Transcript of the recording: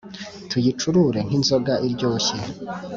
tuyicurure nk' inzoga iryoshye